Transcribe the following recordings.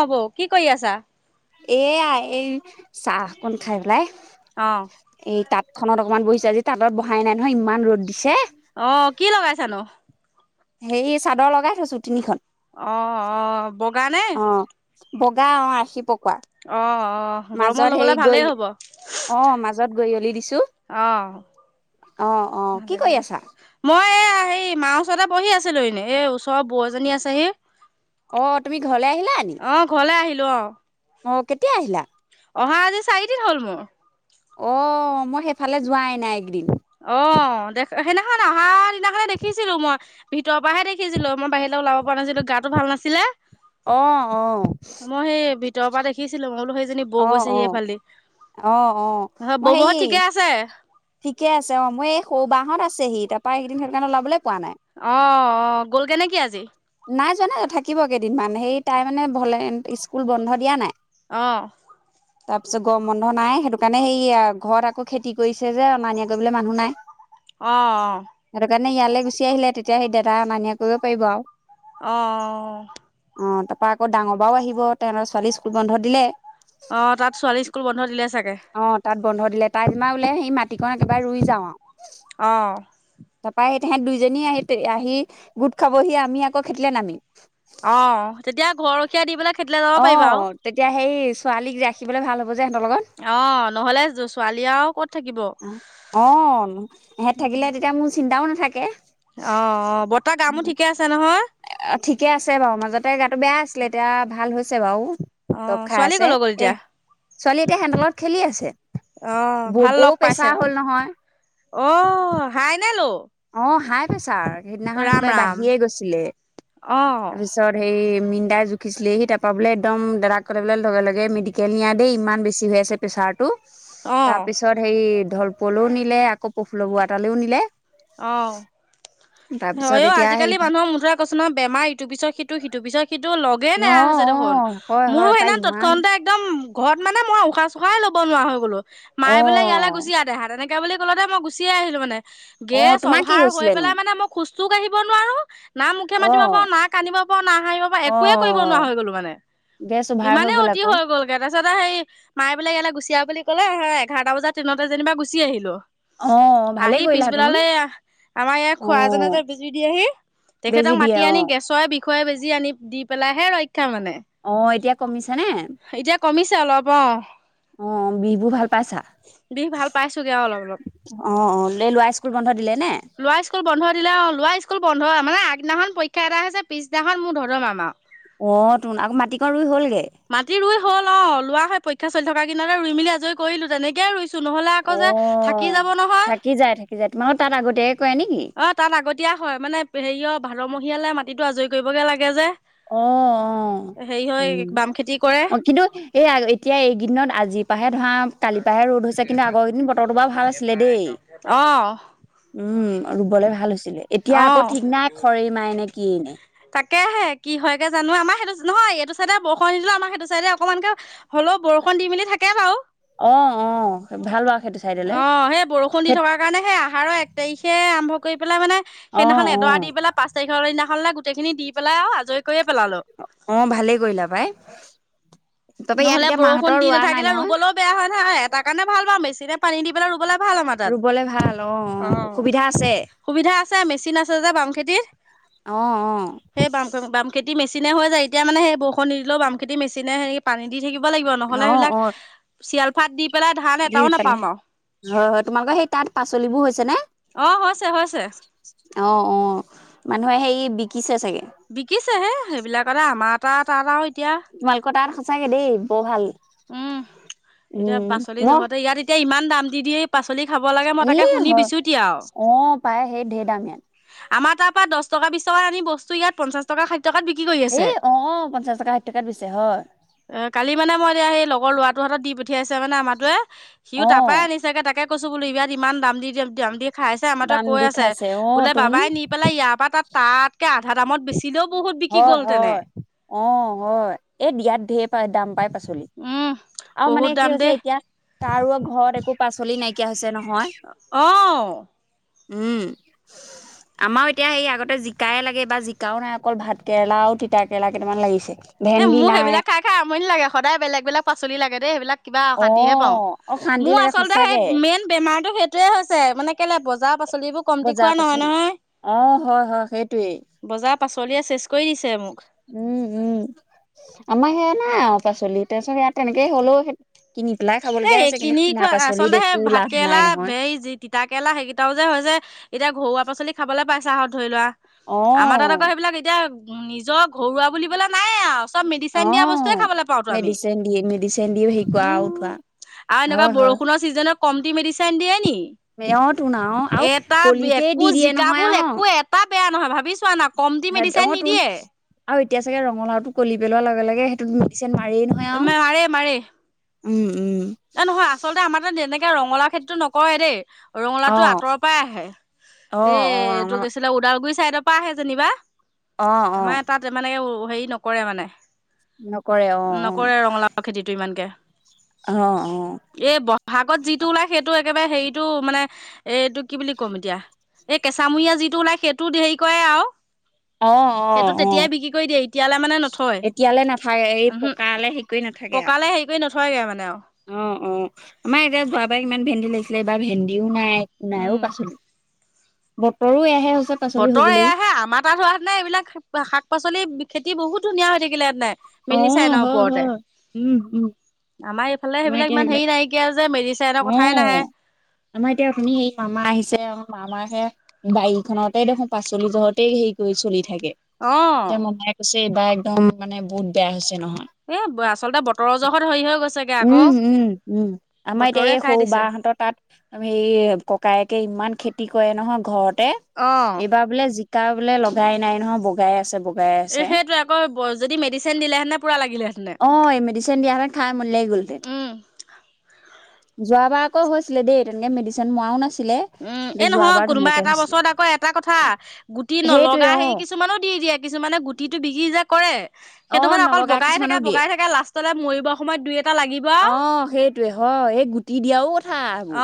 অ', বৌ কি কৰি আছা? এয়া এই চাহ অকন খাই পেলাই অঁ'। খনত অকনমান বহিছোঁ আজি তাঁতট বহাই নাই নহয় ইমান ৰ'দ দিছে। অ কি লগাইছানো? হেৰি চাদৰ লগাই থৈছো তিনিখন৷ অ-অ, বগা নে? অ বগা অ, আশী পক অ- অ, গৰমত ল'বলে গৈ ভালেই হ'ব৷ অ, মাজত গৈই অলি দিছো৷ অ অ'অ' কি কৰি আছা? এ হেই মা ওচৰতে বহি আছিলো। এনেই এই ওচৰৰ বৌ এজনী আছেহি৷ অ' তুমি ঘৰলে আহিলা নি? অ [unintelligible] অ কেতিয়া আহিলা? অহা আজি চাৰি- অ মই সেইফালে যোৱাই নাই এইকেইদিন৷ অ দেখ সেইদিখন অহাৰ দিনাখনে দেখিছিলো মই৷ ভিতৰৰ পৰাহে দেখিছিলো৷ মই বাহিৰলে ওলাব পৰা নাছিলো গাটো ভাল নাছিলে৷ অ অ মই সেই ভিতৰৰ পৰা দেখিছিলো মই বোলো নী বৌ অ অ গৈছেহি অ অ সেইফালদি৷ মই হেৰি ববৌহঁত ঠিকে আছে? ঠিকে আছে৷অ মই এই সৌ বা হঁত আছেহি তাৰ পৰা এইকেইদিন সেইটো কাৰণে ওলাবলৈ পোৱা নাই৷ অ'অ' গ'লগে নে কি আজি? নাই যোৱা নাই৷ থাকিব কেইদিনমান৷সেই তাই মানে ঘৰলে স্কুল বন্ধ দিয়া নাই৷ অ' তাৰপিছত গৰম বন্ধ নাই। সেইটো কাৰণে সেইয়া ঘৰত আকৌ খেতি কৰিছে। যে অনা নিয়া কৰিবলৈ মানুহ নাই৷ অ'অ'। মানে ইয়ালৈ গুচি আহিলে তেতিয়া সেই দাদাই অনা নিয়া কৰিব পাৰিব আৰু অ'অ'। অ তাৰ পৰা আকৌ ডাঙৰ বা ও আহিব তাই ছোৱালী স্কুল বন্ধ দিলে৷ অ' তাত ছোৱালী স্কুল বন্ধ দিলে চাগে অ তাত বন্ধ দিলে৷তাই বোলে [unintelligible] সেই মাটিকন একেবাৰে ৰুই যাওঁ আৰু অঁ তাৰপা সি তাহেত দুইজনী আহি আহি গোট খাবহি আমি আকৌ খেতিলে নামিম। অ' তেতিয়া ঘৰৰখীয়া দি পেলে অ' তেতিয়া সেই ছোৱালীক ৰাখিবলৈ ভাল হ'ব। যে সিহঁতৰ লগত অ নহ'লে ছোৱালী আৰু ক'ত? থাকিব অ' এহেত থাকিলে তেতিয়া মোৰ চিন্তাও নাথাকে৷ অ' অ' ঠিকে আছে বাৰু মাজতে গাটো বেয়া আছিলে এতিয়া ভাল হৈছ। ছে বাৰু দপ অঁ খাই ছোৱালী আছে ক'লৈ গ'ল এহ এতিয়া ছোৱালী এতিয়া সেহেঁত লগত খেলি আছে৷ অ বৌ ভাল বৌ লগ প্ৰেছাৰ হ'ল নহয় পাইছে৷অ হাই ন লো? অ হাই প্ৰেছাৰ সেইদিনাখন কিবা ৰাম বাঢ়িয়ে অঁ গৈছিলে৷তাৰপিছত হেই মিনদাই জুখিছিলেহি৷ তাৰপৰা বোলে একদম দাদাক ক'লে বোলে লগে লগে মেডিকেল নিয়া দেই ইমান বেছি হৈ আছে প্ৰেছাৰটো৷ অঁ তাৰপিছত সেই ঢলপুৱলৈও নিলে আকৌ পফুল বুঢ়া তালেও নিলে৷ অ' তাৰপিছত হয় অ এতিয়া সেই আজিকালি মানুহৰ মুঠতে কৈছো নহয়, বেমাৰ ইটো পিছৰ সিটো সিটো পিছৰ সিটো টো লগে অ নেৰা হৈছে অ হয় দেখোন৷মোৰো হয় পাই সেইদিনাখন ইমান তৎক্ষণাতে একদম ঘৰত মানে মই উশাহ চুশাহে ল'ব নোৱাৰা হৈ গলো৷ অ মায় বোলে ইয়ালে গুচি আহ দেহা এনেকে বুলি স্কুলতে মই গুচিয়ে আহিলো অ মানে৷গেছ তোমাৰ কি অভাৰ হৈ হৈছিলেনো পেলাই মানে মই খোজটো কাঢ়িব নোৱাৰো হলো না মুখে মাতিব পাৰো, অ না কান্দিব পাৰো, না হাহিঁব পাৰো অ একোৱে কৰিব নোৱাৰা হৈ গলোঁ মানে৷ গেছ অভাৰ ইমানে গ'ল অতি আকৌ হৈ গ'লগৈ৷তাৰপিছতে সেই মায়ে বোলে ইয়াৰে গুচি আহ বুলি ক'লে হেয় এঘাৰটা বজাত ট্ৰেইনতে যেনিবা গুচি আহিলো৷ অ' ভালে কৰিলা৷ তোন পলালে আহ৷আমাৰ ইয়াৰ খুৱা জনে অ যে বেজী দিয়ে হি৷ বেজি তেখেতক দিয়ে মাতি অ আনি গেছৰ বিষ খুৱাই বেজি আনি দি পেলাই হে ৰ- ক্ষা মানে, অ এতিয়া কমিছে নে এতিয়া কমিছে অলপ অ'। অ', বিষ বুৰ ভাল পাইছা, বিষ ভাল পাইছোগে আৰু অলপ অলপ অ', অ', লে ল'ৰাৰ স্কুল বন্ধ দিলে? নে ল'ৰা স্কুল বন্ধ। দিলে অ ল'ৰা স্কুল বন্ধ মানে আগদিনাখন পৰীক্ষা এটা হৈছে পিছদিনাখন মোৰ ধৰ ধৰ মাৰ মাৰ। অ' তুন আকৌ মাটিকন ৰুই হলগে? মাটি ৰুই হ'ল অ লোৱা হয় পৰীক্ষা চলি থকা কেইদিনতেই ৰুই মেলি আজৰি কৰিলো যেনেকে ৰুইছো। নহ'লে আকৌ অ যে থাকি যাব নহয়। থাকি যায় থাকি যায় তোমালোকৰ তাত আগতীয়াকে কৰে নেকি অ', তাত আগতীয়া হয় মানে হেৰিয়। ভাদৰমহীয়ালৈ মাটিটো আজৰি কৰিবগে লাগে যে। অ'-অ', হেৰি হয় উম। বাম খেতি কৰে অ', কিন্তু এই এতিয়া এইকেইদিনত আজিৰ পৰাহে ধৰা। কালিৰ পৰাহে ৰ'দ হৈছে কিন্তু আগৰকেইদিন বতৰটো বৰ ভাল আছিলে দেই, অ উম। উম, ৰুবলৈ ভাল হৈছিলে, এতিয়া আকৌ অ', ঠিক নাই খৰে মাৰে নে কি এনে। তাকেহে কি হয় গে জানো আমাৰ সেইটো চ নহয় এইটো চাইডে বৰষুণ নিদিলো আমাৰ সেইটো চাইডে অকমানকে হ। অলপ বৰষুণ দি মেলি থাকে বাৰু। অ অ ভাল বাৰু সেইটো চাইডলে অ', সেই বৰষুণ দি খে থকাৰ কাৰণে হে আহ। আহাৰৰ এক তাৰিখে আৰম্ভ কৰি পেলাই মানে অ সেইদিনাখন অ এডৰা দি পেলাই পাঁচ তাৰিখৰ সিদিনাখনলে গোট। গোটেইখিনি দি পেলাই আৰু আজৰি কৰি। অ', ভালেই কৰিলা পাই। তাপা ইয়াত নহলে এতিয়া বৰষুণ মাহঁতৰ দি ৰোৱা নাই নাথাকিলে নহয় ৰুবলৈও বেয়া হয় নহয় এটা কাৰণে ভাল বাৰু মেচিনে পানী দি পেলাই ৰুবলে। ভাল আমাৰ তাত, ৰুবলে ভাল অ অ', সুবিধা আছে সুবিধা আছে, মেচিন আছে যে। খেতিত অ সেই বাম, -বাম খেতি মেছিন। মেচিনে হৈ যায় এতিয়া মানে সেই বৰষুন নিদিলেও বাম খেতি মেচিনে হেৰি পানী দি থাকিব। লাগিব নহলে অ অ সেইবিলাক অ চিয়াল ফাট দি পেলাই ধান এটাও নাপাম আৰু। হয়-হয় তোমালোকৰ সেই তাত পাচলিবোৰ হৈছে নে? অ হৈছে হৈছে অ'-অ', মানুহে সেই বিকিছে। চাগে বিকিছে হে সেইবিলাকতে আমাৰ এটা এটা এটা। তোমালোকৰ তাত সঁচাকে দেই বৰ ভাল। উম, এতিয়া উম পাচলি মই জহতে ইয়াত এতিয়া ইমান দাম দি দিয়ে। পাচলি খাব লাগে মই ই তাকে শুনি হয় বিচুতি আৰু। অ পাই সেই ঢেৰ দাম ইয়াত আমাৰ তাৰ পৰা দশ টকা বিশ টকাত আনি বস্তু ইয়াত পঞ্চাছ টকা খাদ। টকাত বিক্ৰী কৰি আছে, এই অ পঞ্চাশ টকা ষাঠি টকাত বেচে হয় এ কালি মানে ম‌ই। সেই লগৰ ল'ৰাটোৰ হাতত দি পঠিয়াইছে মানে আমাৰাতোৱে সিও অ তাৰ পৰাই আনিছেগে তাকে। কৈছো বুলু ইমা ইমান দাম দি দাম দি। খাইছে আমাৰ তা দাম কৈ দি আছে, খাইছে অ বোলে তোন বাবাই নি পেলাই ইয়াৰ পৰা তাত তাতকে আধা দামত বেছি। হয়-হয়, অ', হয় এ দিয়াত ঢেৰ পাই দাম পাই পাছ। পাচলি উম আৰু মানে বহুত কি দাম হৈছে দেই এতিয়া কাৰো ঘৰত একো পাচলি নাইকিয়া হৈছে নহয়। অ'। উম, আমাৰ এতিয়া সেই আগতে জিকাই লাগে বা জিকাও নাই। অকল ভাত কেৰেলা আৰু তিতা কেৰেলা কেইটামান লাগিছে। এ ভেন্দি মোক নাই সেইবিলাক খাই খাই আমনি লাগে সদায় বেলেগ বেলেগ পাচলি লাগেই দেই সেইবিলাক। কিবা অ অশান্তিহে পাওঁ, অ শান্তি মোৰ লাগে আচলতে সেই সঁচাকে মেইন বেমাৰটো সেই। হৈছে মানে কেলে বজাৰৰ পাচলি। পাচলিবোৰ কমটি বজাৰ খোৱা পাচলি নহয়-নহয়, অ হয় হয় বজাৰৰ পাচলিয়ে শেষ। উম-উম। আমাৰ সেয়া নাই পাচলি তাৰপিছত সেয়া তেনেকেই হ'লেও। কিনি পেলাই খাবলগীয়া এই হৈছে কিন্তু কিনি কিনা খোৱা পাচলিত আচলতে সেই একো ভাত লাভ নাই কেৰেলা নহয় হেই তিতা কেৰেলা সেইকেইটাও যে হৈছে। এতিয়া ঘৰুৱা পাচলি খাবলৈ পাইছা আৰু ধৰি লোৱা আমাৰ তাতে আকৌ অ সেইবিলাক এতিয়া। নিজৰ ঘৰুৱা বুলিবলে নাই আৰু। চব অ', মেডিচিন দিয়া বস্তু খাবলে পাও আমি মেডিচিন দিয়ে মেডিচিন দিও হেৰি কৰা আৰু উঠোৱা উম, আৰু এনেকুৱা হয় হয় বৰষুণৰ ছিজনত কম দি মেডিচিনন দিয়ে নি। অ', তোন আৰু আৰু এটা কলিতে দি একো দিয়ে জিকা নহয় ভুল আৰু ন একো এটা বেয়া নহয় ভাবি চোৱা ন। কমটি মেডিচিন অ', তোন নিদিয়ে। আৰু এতিয়া চাগে ৰঙালাওটো কলি পেলোৱা লগে লগে সেইটোত মেডিচিন মাৰিয়েই নহয় আৰু। উম উম এই নহয় আচলতে আমাৰ এনেকে ৰঙালা খেতিটো নকৰে দেই। ৰঙালাউটো অ', আঁতৰৰ পৰাই আহে, এই অ', অ', এইটো ৰঙালাও কি আছিলে ওদালগুৰি চাইডৰ পৰা আহে যেনিবা। অ', অ', আমাৰ তাত মানে হেৰি নকৰে মানে নকৰে অ', অ', নকৰে ৰঙালাও খেতিটো ইমানকে। অ', অ', এই বহাগত যিটো ওলাই সেইটো একেবাৰে হেৰিটো মানে এইটো কি বুলি ক'ম এতিয়া এই কেঁচামূৰিয়া যিটো ওলাই সেইটো হেৰি কয় আও। অ', সেইটো অ', অ', তেতিয়াই বিক্ৰী কৰি দিয়ে এতিয়ালৈ মানে নথয় এতিয়ালে নাথাকে এই উমহুম। পকালে হেৰি কৰি নাথাকে আৰু পকালে হেৰি কৰি নথৈগে মানে আৰু অ', অ', আমাৰ এতিয়া যোৱাবাই ইমান ভেন্দি লাগিছিলে এইবাৰ ভেন্দিও নাই, একো নাইয়ো উম পাচলি। বতৰো এহে বতৰ এয়াহে আমাৰ তাত হোৱা সেইতেনে এইবিলাক শাক পাচলি খেতি বহুত ধুনীয়া হৈ থাকিলে সে অ', মেলি চাই ন হয়, ওপৰতে হয়, উম, উম, আমাৰ এইফালে আমাৰ সেইবিলাক এতিয়া ইমান হেৰি নাইকিয়া যে মেডিচাইনৰ কথাই নাহে অ', আমাৰ এতিয়া শুনি এই মামা আহিছে আও মামাহে। বাৰীখনতে দেখো পাচলি য'হতেই হেৰি কৰি চলি থাকে অ এতিয়া মমায়ে কৈছে বা একদম মানে বহুত বেয়া হৈছে নহয়। এ আচলতে বতৰৰ জহত হেৰি হৈ গৈছেগে উম, আকৌ উম, উম, আমাৰ এতিয়া বতৰে এই খাই সৰু দিছে বাহঁতৰ তাত হে ককায়েকে ইমান খেতি কৰে নহয় ঘৰতে অ এইবাৰ বোলে জিকা বোলে লগাই নাই নহয় বগাই আছে বগ বগাই আছে, এই সেইটোৱে আকৌ যদি মেডিচিন দিলেহেঁতেনে পুৰা লাগিলেহেঁতেনে অ' এই মেডিচিন দিয়া সেইতেন খাই [unintelligible] উম যোৱাবাৰ আকৌ হৈছিলে দেই তেনেকে মেডিচিন মৰাও নাছিল উম, এ নহয় কোনোবা এটা বছৰত আকৌ এটা কথা গুটি সেইটোৱে নলগা অ হেৰি কিছুমানো দি দিয়ে কিছুমানে গুটিটো বিক্ৰী যে কৰে। অ সেইটো মানে অকল নলগা বগাই থাকে কিছুমানক দিয়ে বগাই থাকে লাষ্টলে মৰিবৰ সময়ত দুই এটা লাগিব আৰু সেইটোৱে অ', এই গুটি দিয়াও কথা আগো।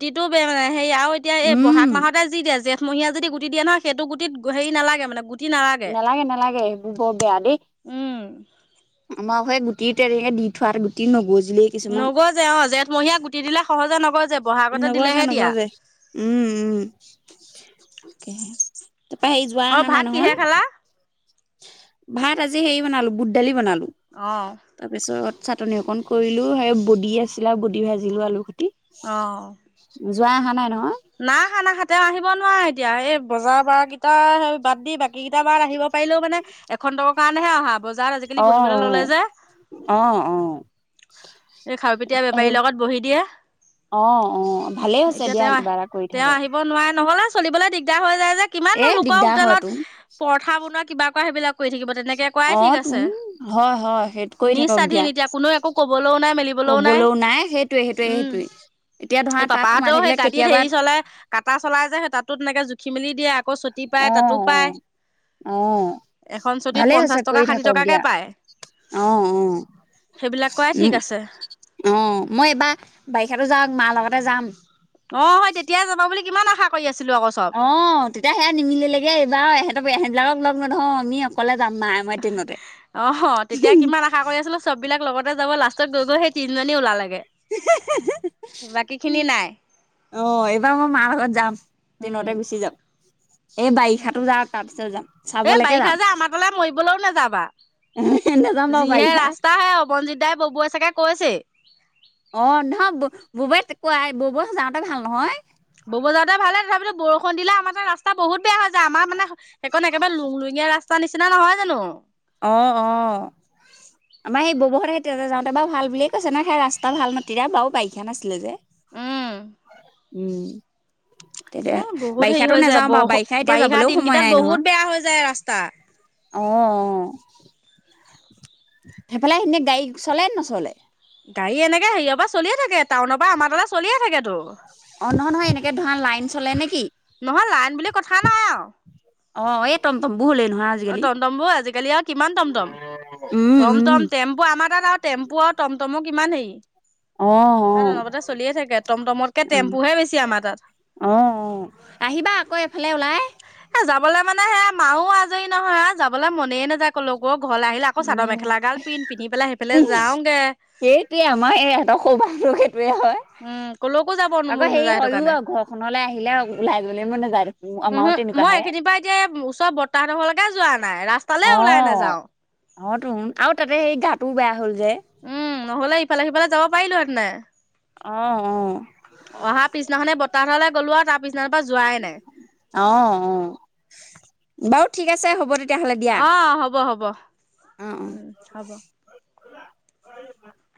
গুটিটোও বেয়া মানে সেৰি আৰু এতিয়া এই বহাগ মাহতে যি দিয়া যে মহীয়া যদি গুটি দিয়ে নহয় সেইটো গুটিত হেৰি নালাগে মানে নালাগে নেলাগে নেলাগে বৰ বেয়া দেই। উম, আমাৰ সেই গুটি তেঙে দি থোৱা গুটি নগজি নগযে অ', জেঠমহীয়া গুটি দিলে সহজে নগয় যে বহাগতে নগজে দিলেহে দিয়া। নগজে উম উম, তাৰপৰা হে যোৱা অ', আহা ভাত নাই কিহে নহয়? খালা? ভাত আজি সেই বনালো বুট দালি বনালো অ', তাৰপিছত চাটনি অকন কৰিলোঁ, সেই বডি আছিল আৰু বডি ভাজিলোঁ আলু খুটি অ', যোৱা আহা নাই নহয়? নাই আহা, নাই আহা, তেওঁ আহিব নোৱাৰে এতিয়া, এই বজাৰ বাৰ কেইটা বাদ দি বাকী এইকেইটা বাৰট আহিব পাৰিলেও মানে এখন [unintelligible] কাৰণেহে অহা। বজাৰত আজিকালি অ বহিবলৈ অ ললে যে। অ অ এই খাৰুপেটীয়া হেৰি বেপাৰীৰ লগত বহি দিয়ে। অ', অ', ভালেই হৈছে এতিয়া দিয়া তেওঁ কিবা। কৰি তেওঁ থাকক আহিব নোৱাৰে নহলে চলিবলে দিগদাৰ হৈ যায় যে কিমান এ লোকৰ দিগদাৰ হয় হোটেলত তোন পৰঠা বনোৱা কিবা কৰা সেইবিলাক কৰি থাকিব। তেনেকে কোৱাই অ ঠিক তোন আছে হয় হয় সেইটো কৰি থাকক নিঃস্বাধীন এতিয়া কোনেও একো কবলৈও নাই মেলিবলৈও নাই। লও নাই উম সেইটোয়ে-সেইটোয়ে-সেইটোয়ে, এতিয়া ধৰা সেই তাত সোমাই পাপাহঁতেও সেই থাকিলে গাড়ীত কেতিয়াবা হেৰি চলাই কাটা চলাই যায় সে তাতো তেনেকে জুখি মেলি দিয়ে আকৌ ছটি পায় অ তাতো অ পায়। অ', এখন চুটিত ভালে পঞ্চাছ হৈছে টকা কৰি ষাঠি থাকক টকাকে দিয়া পায় অ', অ', সেইবিলাক কৰাই ঠিক উম, আছে অ, মই এইবাৰ বাৰিষাতো যাওক মাৰ লগতে যাম। অ', হয় তেতিয়াই যাবা বুলি কিমান আশা কৰি আছোঁ। অ', তেতিয়া সেয়া নিমিলিলেগে, এইবাৰ ইহঁতৰ এহেতবিলাকক লগ নধৰোঁ আমি অকলে যাম মায়ে মই ট্ৰেইনতে অ', তেতিয়া কিমান আশা কৰি আছিলোঁ চব বিলাক লগত যাব লাষ্টত গৈ গৈ সেই তিনি জনী ওলালেগে, বাকী খিনি নাই অ', এইবাৰ মই মাৰ লগত যাম উম ট্ৰেইনতেই গুচি যাম। এই বাৰিষা যাওঁ তাৰপিছত যাম চাবলৈকে যাম। কলৈও নাযাবা নাযাম বাৰু যিহে বাৰিষা ৰাস্তাহে অৱনজিৎ দাই ববুৱাই চাগে কৈছেই। বৌবাই কাই বৌ ব যাওঁতে ভাল নহয়। ববৌ যাওঁতে ভালে তথাপিতো বৰষুণ দিলে আমাৰ তাত ৰাস্তা বহুত বেয়া হৈ যায়। আমাৰ মানে সেইকখন একেবাৰে লুং লুঙীয়া ৰাস্তা নিচিনা নহয় জানো। অ অহ। আমাৰ সেই ববহেতে তেতে যাওঁতে বাও ভাল বুলিয়ে কৈছে নয় সেই ৰাস্তা ভাল নাতিৰা বাও বাৰিষা আছিলে যে। উম। উম। তেতিয়া এ বহুত হেৰি বাৰিষাটো হৈ যায় নাযাওঁ বাও বৰষ বাৰিষা এতিয়া যাবলৈও সময় দিনকেইটাত নাই বহুত নহয়। বেয়া হৈ যায় ৰাস্তা। অও অহ। সেইফালে সেনে গাড়ী চলে নচলে। গাড়ী এনেকে সেইয়ৰ পা চলিয়ে থাকে টাউনৰ পা আমাৰ তালে চলিয়ে থাকে। অ নহয় নহয় এনেকে ধৰা লাইন চলে নেকি? নহয় লাইন বুলি কথা নাই আও। অ এ টমটম। অ টমটম বু আজিকালি আৰু কিমান টমটম উম, টম উম, টম টেম্পু আমাৰ তাত আৰু টেম্পু আৰু টমটমো কিমান সেই। অ', তাত অ', অনপতে চলিয়ে থাকে টমটমতকে টেম্পুহে বেছি আমাৰ তাত। অহ অহ আহিবা আক এফালে ওলাই। এ যাবলৈ মানে সেয়া মাও আজৰি নহয় আ যাবলে মনেই নাযায় ক'লোকো। ঘৰলে আহিলে আক চাদৰ উম, মেখেলা গাল পিন্ধ পিন্ধি পেলাই কি সেইফালে যাওঁগে। সেইটোৱে আমাৰ এ এহেত সৌবা [unintelligible] টোৱে হয়। উম কলৈকো যাব আকৌ মন হেৰি নাযায় সেইটো হয়ও কাৰণে। বা ঘৰখনলে আহিলে ওলাই গ'লে মানে যায় দেখ উহু মই এইখিনি পা এতিয়া ওচৰত বৰ্তাহসেতৰ ঘৰলেকে যোৱা নাই ৰাস্তালে অ ওলাই নাযাও। অ তোহুন আও তাতে সেই গাটো বেয়া। হ'ল যে উম নহলে ইফালে সিফালে যাব পাৰিলো হেতেনে। অ অ অহা পিছদিনাখনে বৰ্তাহত ঘৰলে গ'লো আও তাৰ পিছদিনা পৰা যোৱাই নাই অ অ বাৰু ঠিক আছে হ'ব তেত অ হ'ব হ'ব অ অ উম হ'ব